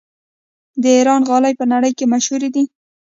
د ایران غالۍ په نړۍ کې مشهورې دي.